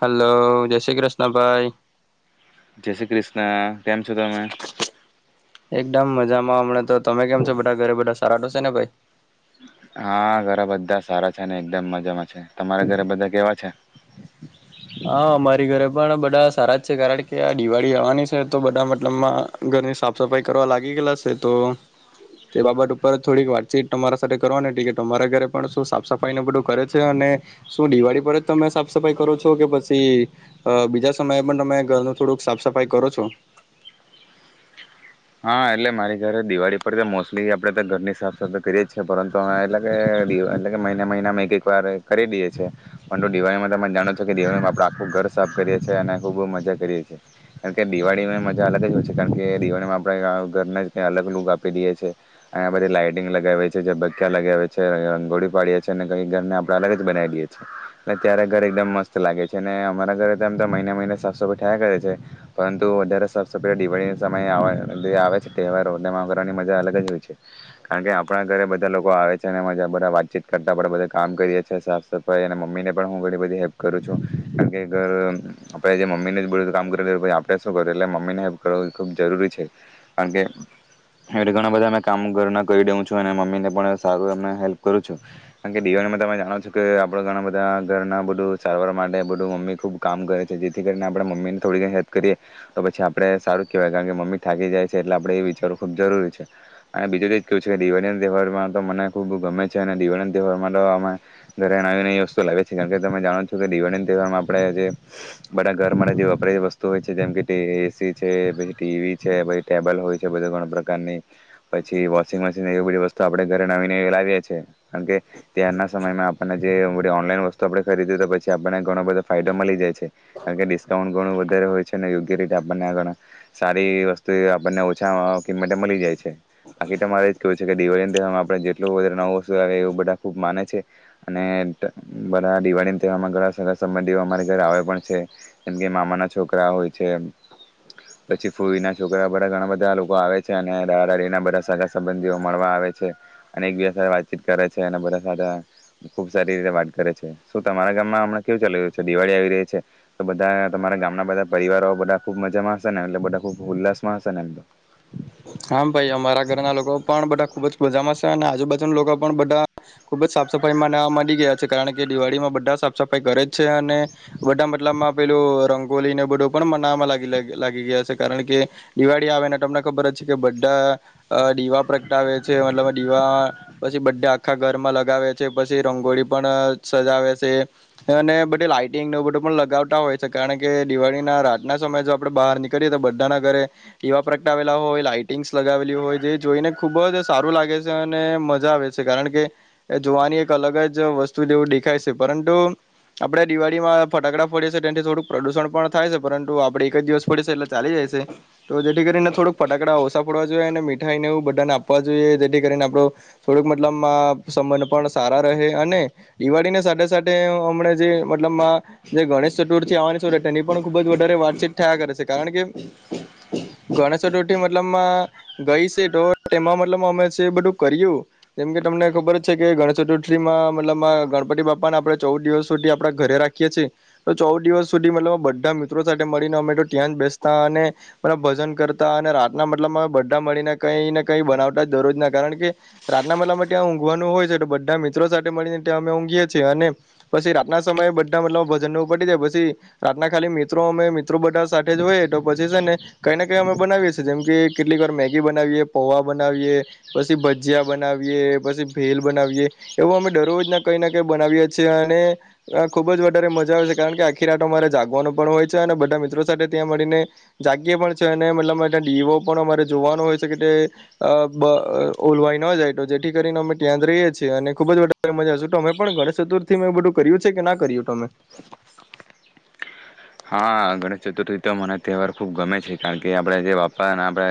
Hello, જય શ્રી કૃષ્ણભાઈ જય શ્રી કૃષ્ણ, કેમ છો તમે એકદમ મજામાં હમણાં તો તમે કેમ છો, બધા ઘરે બધા સારા તો સે ને ભાઈ હા ઘરે બધા સારા છે ને એકદમ મજામાં છે. તમારા ઘરે બધા કેવા છે? હા અમારી ઘરે પણ બધા સારા જ છે કારણ કે આ દિવાળી આવાની છે તો બધા મતલબમાં ઘરની સાફ સફાઈ કરવા લાગી ગેલા છે તો તે બાબત ઉપર થોડીક વાતચીત તમારા સાથે કરવાની હતી કે તમારી ઘરે પણ શું સાફ સફાઈ ને બધું કરે છે અને શું દિવાળી પર જ તમે સાફ સફાઇ કરો છો? તો કે પસી અ બીજા સમયે પણ તમે ઘરનું થોડુંક સાફ સફાઈ કરો છો. હા એટલે મારી ઘરે દિવાળી પર મોસ્ટલી આપડે પણ ઘરની સાફ સફાઈ કરીએ છીએ. પરંતુ એટલે કે દિવા એટલે કે મહિ મહિનામાં એક એક વાર કરી દઈએ છીએ પરંતુ દિવાળીમાં તમે જાણો છો કે દિવાળીમાં આપણે આખું ઘર સાફ કરીએ છીએ અને ખૂબ મજા કરીએ છીએ કારણ કે દિવાળીમાં મજા અલગ જ હોય છે કારણ કે દિવાળીમાં આપણે ઘરને જ કંઈ અલગ લુગ આપી દઈએ છીએ અનેયા બધી લાાઈટિંગ લગાવીએ છીએ જબકખ લગાવી છીએ રંગોળી પાડીએ છીએ અને કંઈ ઘરને આપણે અલગ જ બનાવી દઈએ છીએ એટલે ત્યારે ઘર એકદમ મત લાગે છે અનેને અમારા ઘરેમ તો મહિના મહિને સાફ સફાઈ થયા કરે છે પરંતુ વધારે સાફ સફાઈ દિવાળીના સમયે જે આવે છે તહેવારોટલમાં કરવાની મજા અલગ જ હોય છે કારણ કે આપણા ઘરે બધા લોકો આવે છે અને મજા બધા વાતચીત કરતાં આપણે બધા કામ કરીએ છીએ સાફ સફાઈ અને મમ્મીને પણ હું ઘણી બધી હેલ્પ કરું છું કારણ કે ઘર આપણે જે મમ્મીને જ બધું કામ કરેેું પછી આપણે શું કરું એટલે મમ્મીને હેલ્પ કર એ ખૂબ જરૂરી છે. કારણ કે એ ઘણા બધા અ કામ ઘરના કરી દેઉ છું અને મમ્મીને પણ સારું હેલ્પ કરું છું કાર કે દવામાં તમે જાણો છો કે આપડ ઘણા બધા ઘરના બધું સારવાર માટેધું મમ્મી ખુબ કામ કરે છે જેથી કરીને આપે મમ્મી ને થોડી હેલ્પ કરીએ તો પછી આપડે સારું કેહેવાય કારણ કે મમ્મી થાકી જાય છે એટલે આપણે એ વિચારવું ખૂબ જરૂરી છે અને બીજું તો જ કવું છે કે દિવાળીના તહેવારમાં તો મને ખૂબ ગમે છે અને દિવાળીના તહેવારમાં તો આમાં ઘરેણાવને એ વસ્તુ લાગે છે કારણ કે તમે જાણો છો કે દિવાળીના તહેવારમાં આપણે જે બધા ઘરમાં જે વપરાયતીલી વસ્તુ હોય છે જેમ કે એસી છે પછી ટીવી ટેબલ હોય છે બધ ઘણા પ્રકારની પછી વોશિંગ મશીન એ બધી વસ્તુ આપણે ઘરે નવીને લાવએ છીએ કારણ કે ત્યારના સમયમાં આપણને જે ઓનલાઈન વસ્તુ આપડે ખરીદ તો પછી આપણને ઘણો બધો ફાયદો મળી જાય છે કારણકે ડિસ્કાઉન્ટ ઘણું વધારે હોય છે ને યોગ્ય રીતે આપણને ઘણા સારી ઓછા કિંમતે મળી જાય છે બાકી તો મારે જ કેવું છે કે દિવાળી તહેવારમાં આપણે જેટલું વધારે નવું વસ્તુ આવે એવું બધા ખુબ માને છે અને બધા દિવાળી તહેવારમાં ઘણા સા સમ અમારે ઘરે આવે પણ છે જેમ કે મામાના છોકરા હોય છે પછી ફૂના છોકરા બધા ઘણા બધા લોકો આવે છે અને રા રડીના બધા સારા સંબંધીઓ મળવા આવે છે અને એકબીજા સાથે વાતચીત કરે છે અને બધા સાથેા ખુબ સારી રીતે વાત કરે છે શું તમારા ગામમાં હમણાં કેવું ચાલી રહ્યું છે દિવાળી આવી રહી છે તો બધા તમારા ગામના બધા પરિવારો બધા ખુબ મજામાં હશે ને એટલે બધા ખૂબ ભલ્લાસ માણસને એંદો હા ભાઈ અમારા ઘરના લોકો પણ બધા ખુબ જ મજામાં છે અને આજુબાજુના લોકો પણ બધા ખુબ જ સાફ સફાઈમાં નાવા માંની ગયા છે કારણ કે દિવાળી માં બધા સાફ સફાાઈ કરે જ છે અને બધા મતલબમાં પેલું રંગોલી ને બધું પણ મનાવામાં લાગી ગયા છે કારણ કે દિવાળી આવેને તમને ખબર જ કે બધા દીવા પ્રગટાવે છે મતલબ દીવા પછી બધા આખા ઘરમાં લગાવે છે પછી રંગોળી પણ સજાવે છે અને બધ લાાઈટિંગ ન બધું પણ લગાવતા હોય છે કારણ કે દિવાળી ના રાતના સમયે જો આપડે બહાર નીકળીએ તો બધાના ઘરે દીવા પ્રગટાવેલા હોય લાઈટિંગ્સ લગાવેલી હોય જે જોઈને ખુબ જ સારું લાગે છે અને મજા આવે છે કારણ કે એ જોવાની એક અલગ જ વસ્તુ જેવું દેખાય છે પરંતુ આપડ દિવાળીમાં ફટાકડા ફડ છે તેથી થોડુંક પ્રદુષણ પણ થાય છે પરંતુ આપડ એક જ દિવસ પડ છે એટલે ચાલી જાય છે તો જેથી કરીને થોડુંક ફટડા ઓછા ફડવા જોઈએ અને મીઠાઈનેવું બદને આપવા જોઈએ જેથી કરીને આપણો થોડુંક મતલબ સંબંધ પણ સારા રહે અને દિવાળીને સાથે સાથે હમણા જે મતલબ જે ગણેશ ચતુર્થી આવવાની શ એની પણ ખૂબ જ વધારે વાતચીત થયા કરે છે કારણ કે ગ ચતુર્થી મતલબ ગઈ છે તો તેમાં મતલબ અમે બધું કર્યું જેમકે તમને ખબર છે કે ગણેશ ચતુર્થીમાં મતલબ ગણપતિ બાપાને આપડે ચૌદ દિવસ સુધી આપડા ઘરે રાખીએ છીએ તો ચૌદ દિવસ સુધી મતલબ બધા મિત્રો સાથે મળીને અમે તો ત્યાં જ બેસતા અને ભજન કરતા અને રાતના મતલબમાં બધા મળીને કઈ ને કઈ બનાવતા જ દરરોજ ના કારણ કે રાતના મતલાબમાં ત્યાં ઊંઘવાનું હોય છે તો બધા મિત્રો સાથે મળીને ત્યાં અમે ઊઘીએ છીએ અને પછીતના સમયે બધા મતલબ ભજન ન પડી જાય પછીતના ખાલી મિત્રો અમે મિત્રો બધા સાથે જ હોઈએ તો પછી છે ને કઈ ને કઈ અમે બનાવીએ છી જેમ કે કેટલીક વાર મેગી બનાવીએ પોૌવા બનાવીએ પછી ભજીયા બનાવીએ પછી ભેલ બનાવીએ એવું અમે દરરોજ ના કઈ ના કઈ બનાવીએ છીએ અને ખુબ જ વધારે મજા આવે છે કારણ કે આખી રાટો મારે જાગવાનો પણ હોય છે અને બધા મિત્રો સાથે ત્યાં મળીને જાગીએ પણ છે મતલબ ડીઓ પણ અમારે જોવાનો હોય છે કે ઓલવાઈ ન જાય તો જેથી કરીને અમે ત્યાં જ રહીએ છીએ અને ખુબ જારે મજા તોમે પણ ગણેશ ચતુર્થી મે એ બધું કર્યું છે કે ના કર્યું તમે હા ગણેશ ચતુર્થી તો મરા તહેવાર ખૂબ ગમે છે કારણ કે આપણે જે બાપાને આપણે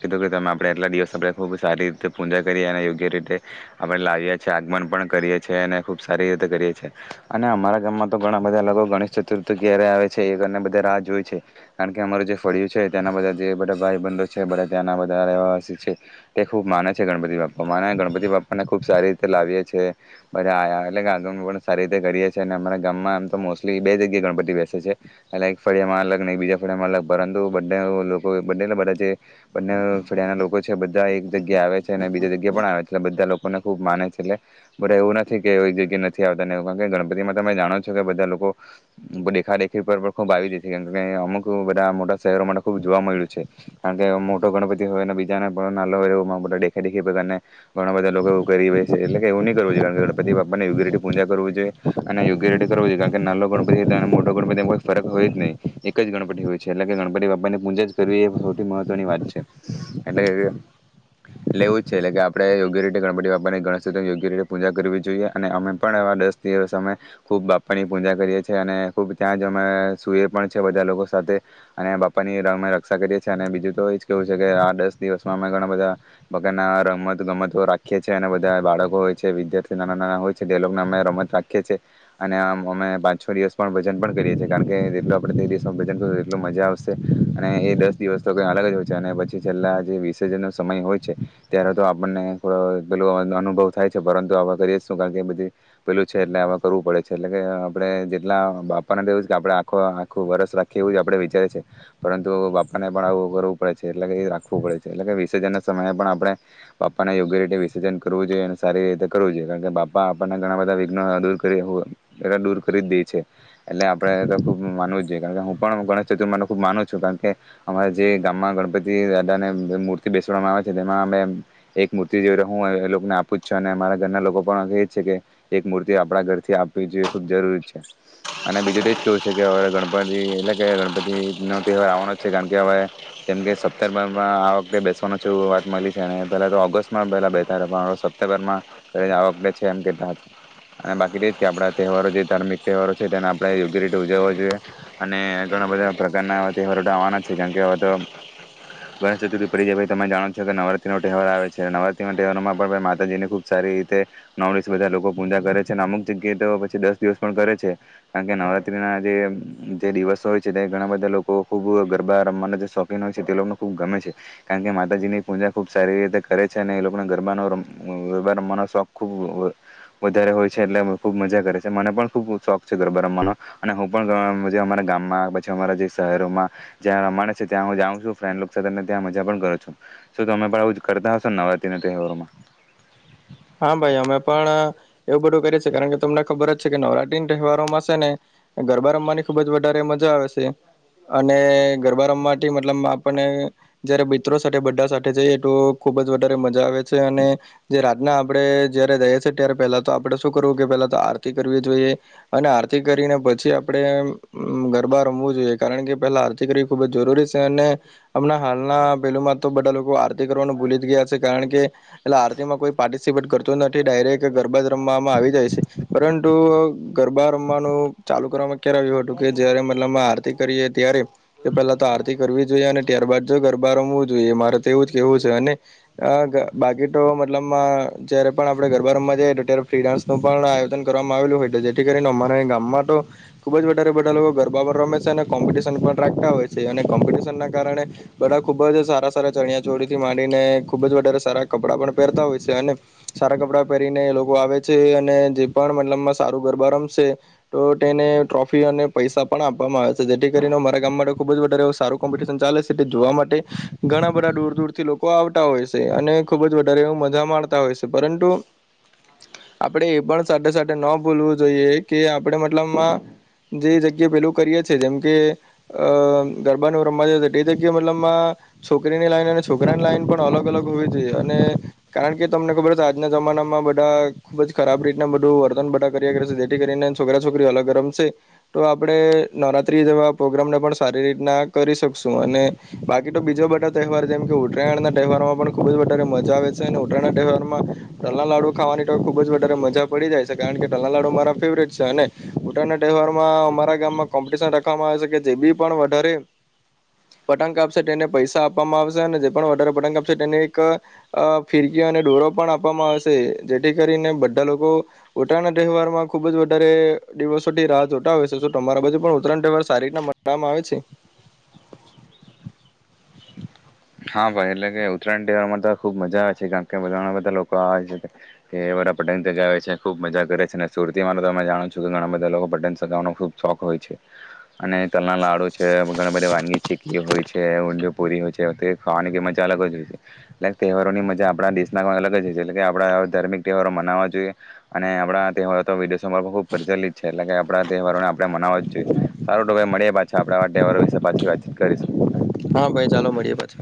કીધું કે તમે આપણે એટલા દિવસ આપણે ખૂબ સારી રીતે પૂજા કરીએ અને યોગ્ય રીતે આપણે લાવીએ છીએ આગમન પણ કરીએ છીએ અને ખૂબ સારી રીતે કરીએ છીએ અને અમારા ગામમાં તો ઘણા બધા લોકો ગણેશ ચતુર્થી ક્યારે આવે છે છે એ કરીને બધા રાહ જોય છે કારણ કે અમારું જે ફળિું છે ત્યાંના બધા જે બધા ભાઈબંધો છે બધા ત્યાંના બધા રહેવાસી છે તે ખૂબ માને છે ગણપતિ બાપ્પા માને ગણપતિ બાપ્પાને ખૂબ સારી રીતે લાવીએ છેએધા અલગ આગળ પણ સારી રીતે કરીએ છીએ અને અરા ગામમાં આમ તો મોસ્ટલી બે જગ્યાએ ગણપતિ બેસે છે એટ એક ફળિયામાં અલગ ને એક બીજા ફળિયામાં અલગ પરંતુ બને લોકો બને બધા જે બંને ફળિયા ના લોકો છે બધા એક જગ્યા આવે છે અને બીજા જગ્યા પણ આવે છે એ બધા લોકોને ખુબ માને છે એટલે બધા એવું નથી કે એક જગ્યા નથી આવતા એ કારણ કે ગણપતિમાં તમે જાણો છો કે બધા લોકો દેખાેખ ર ખૂબ આવી જ છે કારણ અમુક બધા મોટા શહેરો માટે ખૂબ જોવા મળ્યું છે કારણ કે મોટો ગણપતિ હોય બીજાને પણ ના હોય એા દેખાઈ દેખી ઘણા બધા લોકો એવું કરી છે એટલે એવું નહી કરવ જોઈએ કાર કે ગણપતિ બાપ ને યોગ્ય રે પૂજા કરવી જોઈએ અને યોગ્ય રે કર જોઈએ કારણ કે નાલો ગણપતિ અને મોટો ફરક હોય જ નહીિ એક જ ગણપતિ હોય છે એટલે કે ગણપતિ બાપા ની પૂજા જ કરવી એ સૌથી મહત્વની વાત છે એટલે કે એટલે એવું જ છે એટલે કે આપે યોગ્ય રીતે ગણપતિ બાપાની ગણ યોગ્ય રીતે પૂજા કરવી જોઈએ અને અમે પણ દસ દિવસ અમે ખૂબ બાપા ની પૂજા કરીએ છીએ અને ખબ ત્યાં જ અમે સુૂઈએ પણ છે બધા લોકો સાથે અને બાપાની ર અમે રક્ષા કરીએ છીએ અને બીજું તો એ જ કેવું છે કે આ દસ દિવસમાં અમે ઘણા બધા બગના રમત ગમતો રાખીએ છીએ અને બધા બાળકો હોય છે વિદ્યાર્થી નાના નાના હોય છે તે લોકોને અમે રમત રાખીએીએ અને આ અમે પાંચ છ દિવસ પણ ભજન પણ કરીએ છીએ કારણ કે જેટલું આપણે તે દિવસમાં ભજન કરું એટલું મજા આવશે અને એ દસ દિવસ તો કંઈ અલગ જ હોય છે અને પછી છેલ્લા જે વિસર્જનનો સમય હોય છે ત્યારે તો આપણને થોડો પેલો અનુભવ થાય છે પરંતુ આવા કરીએ શું કારણ કે બધી પેલું છે એટલે આવા કરવું પડે છે એટલે કે આપણે જેટલા બાપ પાપ્પાને તોવું કે આપણે આખું આખું વરસ રાખીએ એવું જ આપણે વિચારે છે પરંતુ બાપાને પણ આવું કરવું પડે છે એટલે કે એ રાખવું પડે છે એટલે કે વિસર્જન ના સમયે પણ આપણે પાપ્પાને યોગ્ય રીતે વિસર્જન કરવું જોઈએ અને સારી રીતે કરવું જોઈએ કારણ કે બાપા આપણને ઘણા બધા વિઘ્નો દૂર કરી દૂર કરી જ દે છે એટલે આપડે તો ખુબ માનવું કારણ કે હું પણ ગણેશ ચતુર્ને ખુબ માનું છું કારણ કે અમારા જે ગામમાં ગણપતિ દાદા ને મૂર્તિ બેસવામાં આવે છે તેમાં અમે એક મૂર્તિ જે રું એ લોકોને આપું જ છે અને અરા ઘરના લોકો પણ એ છે કે એક મૂર્તિ આપણા ઘરથી આપવી જોઈએ ખુબ જરૂરી છે અને બીજું તો જ કેવું છે કે હવે ગણપતિ એટલે કે ગણપતિ નો તહેવાર આવવાનો જ છે કારણ કે હવે જેમ કે સપ્ટેમ્બરમાં આ વખતે બેસવા છે એવ વાત મળી છે અને પેલા તો ઓગસ્ટમાં પેલા બેતા પણ હવે સપ્ટેમ્બરમાં આ વખતે છે એમ કેતા અને બાકી જ કે આપડા તહેવારો જે ધાર્મિક તહેવારો તેને આપણે યોગ્ય રીતે ઉજવો જોઈએ અને ઘણા બધા પ્રકારનાવા તહેવારો આવવાના છે કેમ કે આવે તો ગણેશ ચતુર્થી પર જે તમે જાણો છો કે નવરાત્રી નો તહેવાર આવે છે નવરાત્રી ના તહેવારોમાં પણ માતાજીને ખુબ સારી રીતે ન બધા લોકો પૂજા કરે છે અને અમુક જગ્યાએ તો પછી દસ દિવસ પણ કરે છે કારણ કે નવરાત્રી ના જે જે દિવસો હોય છે તે ઘણા બધા લોકો ખુબ ગરબા રમવાના જે શોખીન હોય છે તે લોકોને ખુબ ગમે છે કારણ કે માતાજીની પૂજા ખુબ સારી રીતે કરે છે અને એ લોકોને ગરબાનો ગરબા રમવાનો શોખ ખૂબ વધારે હોય છે એટલે ખૂબ મજા કરે છે મને પણ ખૂબ શોખ ગરબા રમવાનો અને હું પણ અમારા ગામમાં પછી અમારા જે શહેરોમાં જ્યાં રમવા છે ત્યાં હું જાઉં છું ફન્ડક સાથે ત્યાં મજા પણ કરું છું શ તમે પણ આવું કરતા હશો ને નવરાત્રી ના તહેવારોમાં હા ભાઈ અમે પણ એવું બધું કરીએ છેએ કારણ કે તમને ખબર જ છે કે નવરાત્રી તહેવારોમાં છે ને ગરબા રમવાની ખુબ જ વધારે મજા આવે છે અને ગરબા રમવાથી મતલબ આપને જયારે મિત્રો સાથે બધા સાથે જઈએ તો ખુબ જ વધારે મજા આવે છે અને જે ના આપડે જયારે રહીીએ ત્યારે પહેલા તો આપડે શું કરવું કે પેલા તો આરતી કરવી જોઈએ અને આરતી કરીને પછી આપડણે ગરબા રમવું જોઈએ કારણ કે પેલા આરતી કરવી ખૂબ જ જરૂરી છે અને હમણાં હાલના પેલું માં તો બધા લોકો આરતી કરવાનું ભૂલી જ ગયા છે કારણ કે પલે આરતીમાં કોઈ પાર્ટિસિપેટ કરતું નથી ડાયરેક્ટ ગરબા જ રમવામાં આવી જાય છે પરંતુ ગરબા રમવાનું ચાલુ કરવામાં ખ્યાલ આવ્યું હતું કે જયારે મતલબ આરતી કરીએ ત્યારે પહેલા તો આરતી કરવી જ જોઈએ અને ત્યારબાદ જો ગરબા રમવું જોઈએ મારે તો એવું જ કેહેવું છે અને બાકી તો મતલબ જારે પણ આપણે ગરબા રમવા જઈ તો ત્યારે ફ્રી ડાન્સ નું પણ આયોજન કરવામાં આવેલું હોય તો જેથી કરીને અમારા ગામમાં તો ખુબ જ વધારે બધા લોકો ગરબા પર રમે છે અને કોમ્પિટિશન પણ રાખતા હોય છે અને કોમ્પિટિશન ના કારણે બધા ખુબ જ સારા સારા ચણિયા ચોરી થી માંડીને ખુબ જ વધારે સારા કપડાં પણ પહેરતા હોય છે અને સારા કપડા પહેરીને એ લોકો આવે છે અને જે પણ મતલબમાં સારું ગરબા રમશે તો તેને ટ્રોફી અને પૈસા પણ આપવામાં આવે છે જેથી કરીને મારા ગામ માટે ખુબ જ વધારે સારું કોમ્પિટિશન ચાલે છે તે જોવા માટે ઘણા બધા દૂર દૂર થી લોકો આવતા હોય છે અને ખુબ જ વધારે એવું હોય છે પરંતુ આપણે એ પણ સાથે સાથે ન ભોલવું જોઈએ કે આપણે મતલબમાં જે જગ્યા પેલું કરીએ છીએ જેમ કે અ ગરબાનું રમવા જ તે જગ્યા મતલબમાં છોકરીની લાઈન અને છોકરાની લાઈન પણ અલગ અલગ હોવી જોઈએ અને કારણ કે તમને ખબર છે આજના જમાનામાં બધા ખૂબ જ ખરાબ રીતના બધું વર્તન બધા કર્યા કરશે જેથી કરીને છોકરા છોકરી અલગ રરમશે તો આપડણે નવરાત્રી જેવા પ્રોગ્રામને પણ સારી રીતના કરી શકશું અને બાકી તો બીજા બધા તહેવાર જેમ કે ઉત્તરાયણના તહેવારમાં પણ ખૂબ જ વધારે મજા આવે છે ઉત્તરાણના તહેવારમાં ટલ લાડુ ખાવાની તો ખુબ જ વધારે મજા પડી જાય છે કારણ કે ટલના લાડુ મારા ફેવરેટ છે અને ઉત્તરાણના તહેવારમાં અમારા ગામમાં કોમ્પિટશન રાખવામાં આવે છે કે જે બી પણ વધારે પતંગ આપશે તેને પૈસા આપવામાં આવશે અને જે પણ વધારે પતંગ આપશે તેને એક અ ફિરકી અને ડોરો પણ આપવામાં આવે છે જેથી કરીને બધા લોકો ઉત્તરાયણ તહેવાર માં ખુબ જ વધારે દિવસોથી રાહ જોતા હો છે શ તમારા બાજુ પણ ઉત્તરાયણ તહેવાર સારી રીતના મવામાં આવે છે હા ભાઈ એટલે કે ઉત્તરાયણ તહેવારમાં તો ખૂબ મજા આવે છે કારણ કે ઘણા બધા લોકો આવે છે કે એ બધા પટેંગથી ગાવે છે ખૂબ મજા કરે છે અને સુરતીમાં તમે જાણો છો કે ઘણા બધા લોકો પટેંગ સગાવાનો ખૂબ શોખ હોય છે અને તલના લડુ ઘણા બધા વાનગી છે હોય છે ઊજ પૂરી હોય છે તે ખવાની મજા અલગ જ હોય છે એટલે તહેવારો ની મજા આપણા દેશના અલગ જ હો છે એટલે આપ ધાર્મિક તહેવારો મનાવવા જોઈએ અને આપણા તહેવારો તો ડિસેમ્બરમાં ખૂબ પ્રચલિત છે એટલે કે આપણા તહેવારોને આપણે મનાવવા જ જોઈએ સારો ટાઈ મળીએ પાછા આપ તહેવારો વિશે પાછી વાતચીત કરીશું હા ભાઈ ચાલો મળીએ પાછી